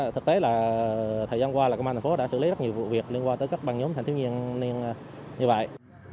thực tế là thời gian qua là công an thành phố đã xử lý rất nhiều vụ việc liên quan tới các băng nhóm thanh thiếu niên như vậy